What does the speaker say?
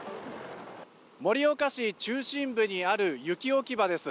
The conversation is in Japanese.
盛岡市中心部にある雪置き場です。